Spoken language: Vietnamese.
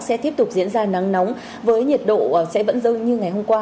sẽ tiếp tục diễn ra nắng nóng với nhiệt độ sẽ vẫn dơng như ngày hôm qua